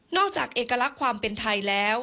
จากเอกลักษณ์ความเป็นไทยแล้ว